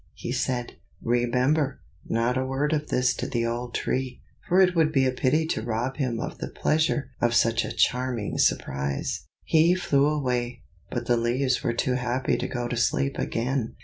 he said. "Remember, not a word of this to the old Tree, for it would be a pity to rob him of the pleasure of such a charming surprise." He flew away, but the leaves were too happy to go to sleep again.